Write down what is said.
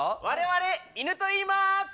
我々いぬといいます。